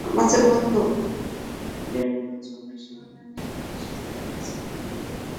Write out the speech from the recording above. নুটোপিয়ায় কোন জমি, সীমানা নেই, পাসপোর্ট নেই, কেবলমাত্র মানুষ।